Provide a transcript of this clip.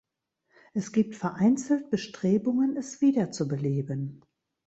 Es gibt vereinzelt Bestrebungen, es wiederzubeleben.